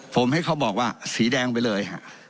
ผมให้เขาบอกว่าสีแดงไปเลย